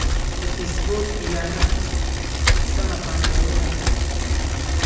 د فېسبوک اعلانات سمه پانګونه ده.